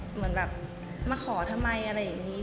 เหมือนแบบมาขอทำไมอะไรอย่างนี้